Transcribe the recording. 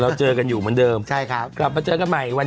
วันหลังรับเจอกันกันนะคะ